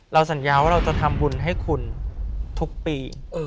สัญญาว่าเราจะทำบุญให้คุณทุกปี